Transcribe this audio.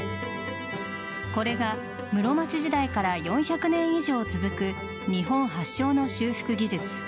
これが室町時代から４００年以上続く日本発祥の修復技術